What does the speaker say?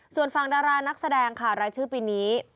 ส่วนฝั่งดารานักแสดงค่ะรายชื่อปีนี้